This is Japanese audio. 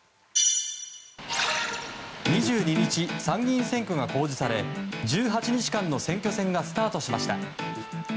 ２２日、参議院選挙が公示され１８日間の選挙戦がスタートしました。